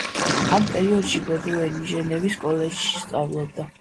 ამ პერიოდში ბოდუენი ჟენევის კოლეჯში სწავლობდა.